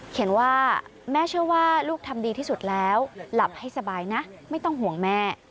ว่าแม่เชื่อว่าลูกทำดีที่สุดแล้วหลับให้สบายนะไม่ต้องห่วงแม่